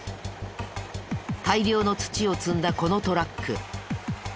大量の土を積んだこのトラック。